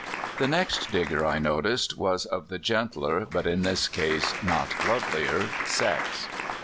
The next Digger I noticed was of the gentler (but in this case not lovelier) sex.